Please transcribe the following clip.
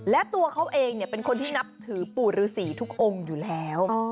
และตัวเขาเองเป็นคนที่นับถือปู่ฤษีทุกองค์อยู่แล้ว